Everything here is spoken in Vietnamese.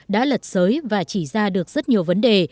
đã lật sới và chỉ ra được rất nhiều vấn đề